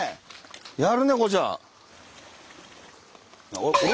やるね孝ちゃん！